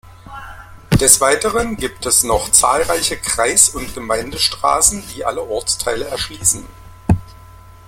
Des Weiteren gibt es noch zahlreiche Kreis- und Gemeindestraßen, die alle Ortsteile erschließen.